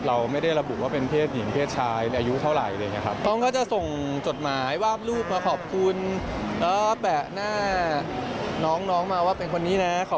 เราไม่ได้ระบุว่าเป็นเพศหญิงเพศชายอายุเท่าไร